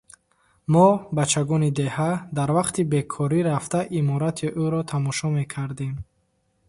Мо, бачагони деҳа, дар вақти бекорӣ рафта иморати ӯро тамошо мекардем.